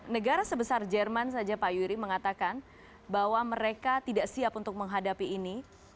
negara sebesar jerman saja pak yuri mengatakan bahwa mereka tidak siap untuk menghadapi ini